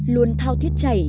luôn thao thiết chảy